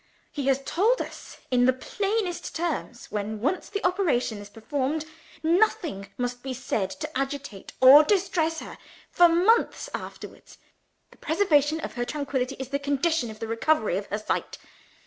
He has told us in the plainest terms when once the operation is performed, nothing must be said to agitate or distress her, for months afterwards. The preservation of her tranquillity is the condition of the recovery of her sight.